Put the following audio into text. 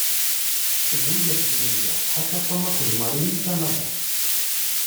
Seg wid ixeddmen da, ḥaca Tom akked Mary i n Kanada.